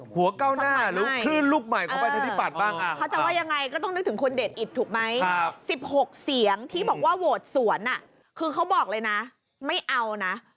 เขาจะว่ายังไงก็ต้องคุณเด็ดอิดถูกไหม๑๖เซียงที่บอกว่าโหสวนคือเขาบอกเลยนะไม่เอานะ